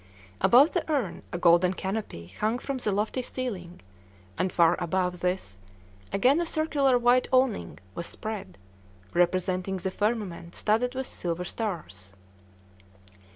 Above the urn a golden canopy hung from the lofty ceiling, and far above this again a circular white awning was spread, representing the firmament studded with silver stars.